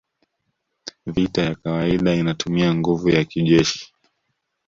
Vita ya kawaida inatumia nguvu ya kijeshi